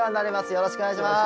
よろしくお願いします。